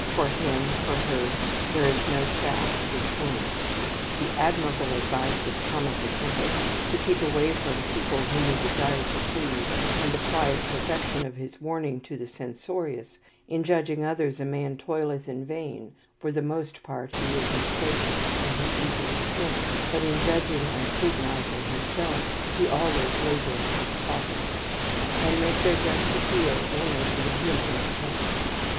For him, for her, there is no shaft which wounds. The admirable advice of Thomas a Kempis to keep away from people whom we desire to please, and the quiet perfection of his warning to the censorious, "In judging others, a man toileth in vain; for the most part he is mistaken, and he easily sinneth; but in judging and scrutinizing himself, he always laboureth with profit," can make their just appeal only to the humorous sense.